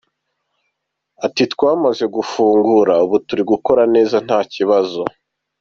Ati “Twamaze gufungura, ubu turi gukora neza nta kibazo.